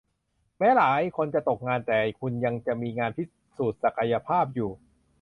แม้หลายคนจะตกงานแต่คุณยังจะมีงานพิสูจน์ศักยภาพอยู่